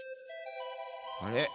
あれ？